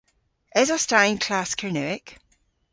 Esos ta y'n klass Kernewek?